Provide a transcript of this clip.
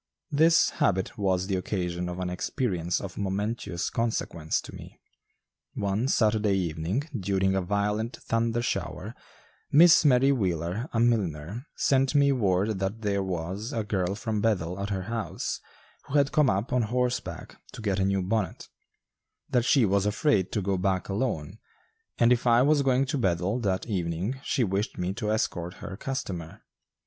This habit was the occasion of an experience of momentous consequence to me. One Saturday evening, during a violent thunder shower, Miss Mary Wheeler, a milliner, sent me word that there was a girl from Bethel at her house, who had come up on horseback to get a new bonnet; that she was afraid to go back alone; and if I was going to Bethel that evening she wished me to escort her customer.